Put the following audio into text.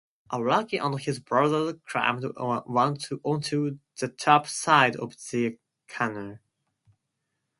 Aoraki and his brothers climbed onto the top side of their canoe.